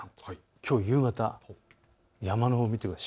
きょう夕方、山のほうを見てください。